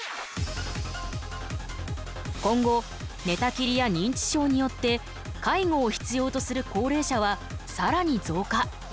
今後寝たきりや認知症によって介護を必要とする高齢者はさらに増加。